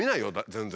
全然。